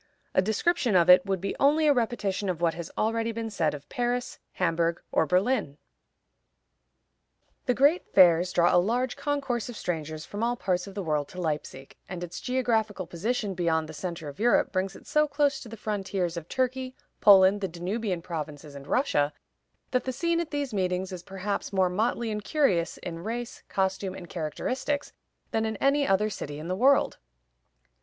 A description of it would be only a repetition of what has already been said of Paris, Hamburg, or Berlin. The great fairs draw a large concourse of strangers from all parts of the world to Leipzig, and its geographical position beyond the centre of Europe brings it so close to the frontiers of Turkey, Poland, the Danubian provinces, and Russia, that the scene at these meetings is perhaps more motley and curious in race, costume, and characteristics than in any other city in the world.